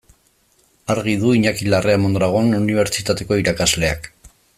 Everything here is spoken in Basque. Argi du Iñaki Larrea Mondragon Unibertsitateko irakasleak.